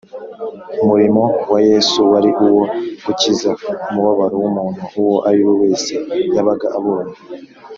Umurimo wa Yesu wari uwo gukiza umubabaro w’umuntu uwo ariwe wese yabaga abonye